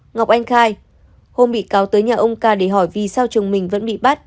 ngọc anh khai hôm bị cáo tới nhà ông ca để hỏi vì sao chồng mình vẫn bị bắt